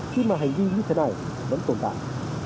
khi mà hành vi như thế này vẫn tồn tại